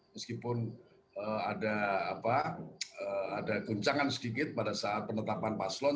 meskipun ada apa ada kencangan sedikit pada saat penetapan paslon